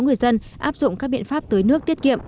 người dân áp dụng các biện pháp tới nước tiết kiệm